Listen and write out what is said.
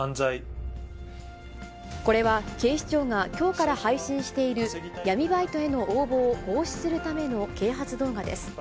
これは、警視庁がきょうから配信している、闇バイトへの応募を防止するための啓発動画です。